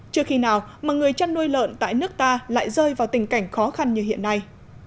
chưa khi nào mà người chăn nuôi lợn tại nước ta lại rơi vào tình cảnh khó khăn như hiện nay